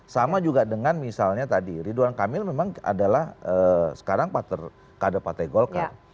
sama juga dengan misalnya tadi ridwan kamil memang adalah sekarang kader partai golkar